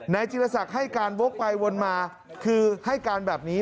จิลศักดิ์ให้การวกไปวนมาคือให้การแบบนี้